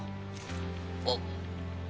あっ！